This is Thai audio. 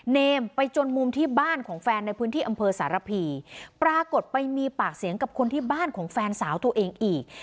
เนมไปจนมุมที่บ้านของแฟนในพื้นที่อำเภอสารพีปรากฏไปมีปากเสียงกับคนที่บ้านของแฟนสาวตัวเองอีก